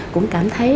cũng cảm thấy